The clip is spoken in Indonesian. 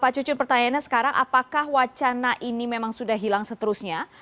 pak cucun pertanyaannya sekarang apakah wacana ini memang sudah hilang seterusnya